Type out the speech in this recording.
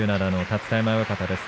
立田山親方です。